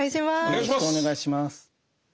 よろしくお願いします。